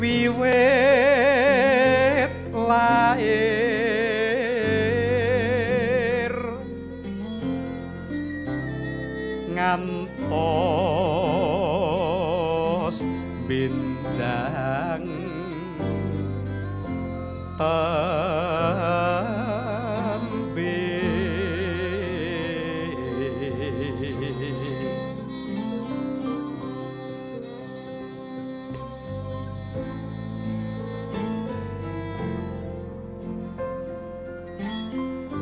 wiwet lahir ngantos binjang tembik